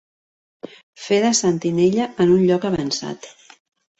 Fer de sentinella en un lloc avançat.